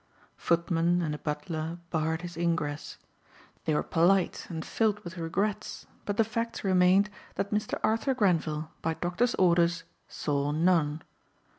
Footmen and a butler barred his ingress. They were polite and filled with regrets but the facts remained that Mr. Arthur Grenvil by doctor's orders saw none.